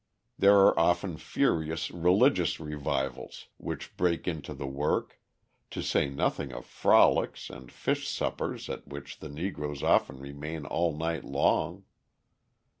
There are often furious religious revivals which break into the work, to say nothing of "frolics" and fish suppers at which the Negroes often remain all night long.